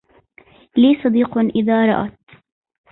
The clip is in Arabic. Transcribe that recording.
لي صديق إذا رأت